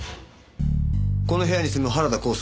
この部屋に住む原田幸助。